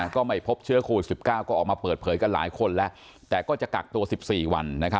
ก็ไม่พบเชื้อโควิด๑๙ก็ออกมาเปิดเผยกันหลายคนแล้วแต่ก็จะกักตัว๑๔วัน